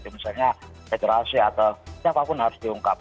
misalnya federasi atau siapapun harus diungkap